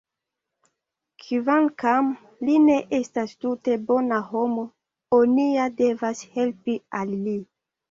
Kvankam li ne estas tute bona homo, oni ja devas helpi al li!